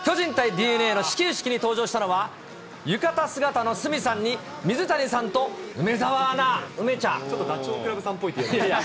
巨人対ＤｅＮＡの始球式に登場したのは、浴衣姿の鷲見さんに、ちょっとダチョウ倶楽部さんいやいや。